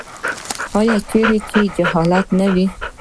آیا چیرې چې جهالت نه وي؟